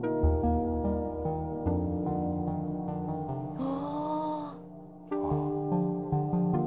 うわ